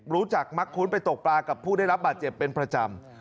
รู้จักมักคุ้นไปตกปลากับผู้ได้รับบาดเจ็บเป็นประจำ